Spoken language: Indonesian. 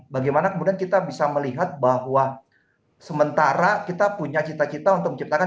bagaimana kemudian kita bisa melihat bahwa sementara kita punya cita cita untuk menciptakan